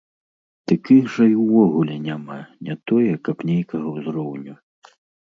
Дык іх жа і ўвогуле няма, не тое, каб нейкага ўзроўню!